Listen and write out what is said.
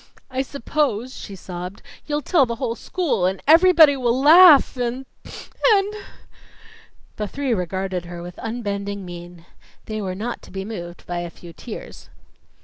"I suppose," she sobbed, "you'll tell the whole school, and everybody will laugh and and " The three regarded her with unbending mien. They were not to be moved by a few tears.